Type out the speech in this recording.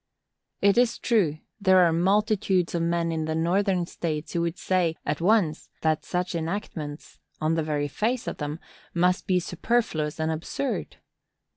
It is true, there are multitudes of men in the Northern States who would say, at once, that such enactments, on the very face of them, must be superfluous and absurd.